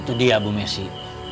itu dia bu messi